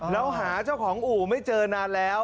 แล้วหาเจ้าของอู่ไม่เจอนานแล้ว